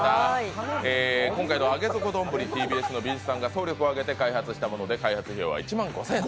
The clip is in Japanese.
今回の上げ底どんぶり、ＴＢＳの美術さんが総力をあげて開発したもので、開発費用は１万５０００円。